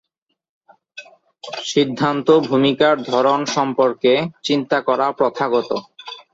সিদ্ধান্ত ভূমিকার ধরন সম্পর্কে চিন্তা করা প্রথাগত।